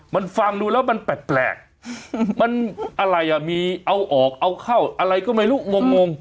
มันฟังดูแล้วมันแปลกมันอะไรอ่ะมีเอาออกเอาเข้าอะไรก็ไม่รู้งงง